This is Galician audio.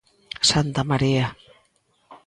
Santa María.